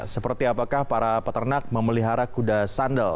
seperti apakah para peternak memelihara kuda sandal